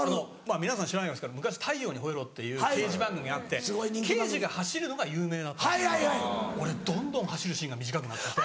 皆さん知らない昔『太陽にほえろ！』っていう刑事番組があって刑事が走るのが有名だったんですけど俺どんどん走るシーンが短くなっちゃって。